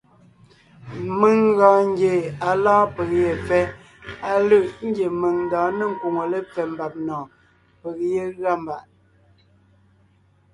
Mèŋ gɔɔn ngie à lɔ́ɔn peg ye pfɛ́, á lʉ̂ʼ ngie mèŋ ńdɔɔn ne ńkwóŋo lépfɛ́ mbàb nɔ̀ɔn, peg yé gʉa mbàʼ.